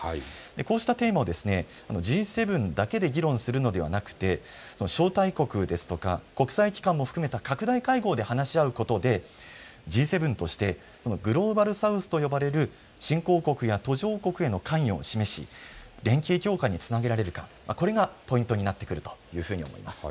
こうしたテーマをＧ７だけで議論するのではなくて招待国ですとか国際機関も含めた拡大会合で話し合うことでＧ７としてグローバル・サウスと呼ばれる新興国や途上国への関与を示し連携強化につなげられるか、これがポイントになってくるというふうに思います。